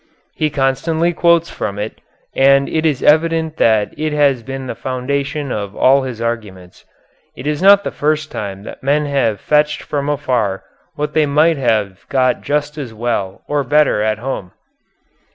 He constantly quotes from it, and it is evident that it has been the foundation of all of his arguments. It is not the first time that men have fetched from afar what they might have got just as well or better at home.